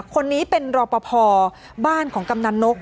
คนนี้เป็นรอปภบ้านของกำนันนก